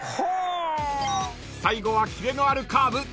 ［最後はキレのあるカーブ］